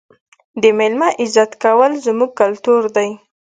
د مېلمه عزت کول زموږ کلتور دی.